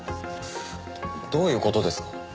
どういう事ですか？